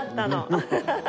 アハハハ。